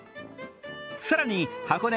更に、箱根